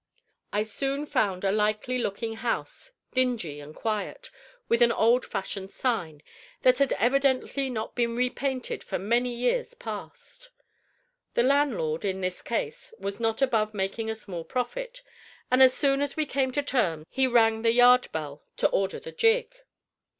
I soon found a likely looking house, dingy and quiet, with an old fashioned sign, that had evidently not been repainted for many years past. The landlord, in this case, was not above making a small profit, and as soon as we came to terms he rang the yard bell to order the gig.